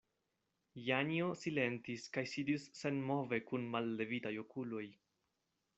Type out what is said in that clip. Janjo silentis kaj sidis senmove kun mallevitaj okuloj.